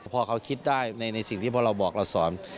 พอเขาคิดได้ในสิ่งที่พอเราบอกเราสอน